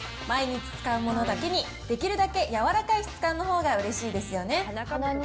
毎日使うものだけに、できるだけ柔らかい質感のほうがうれしいですよね。